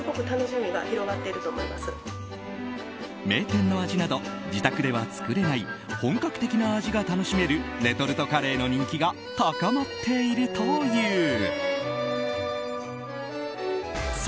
名店の味など自宅では作れない本格的な味が楽しめるレトルトカレーの人気が高まっているという。